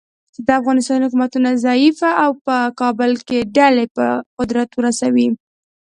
چې د افغانستان حکومتونه ضعیفه او په کابل کې ډلې په قدرت ورسوي.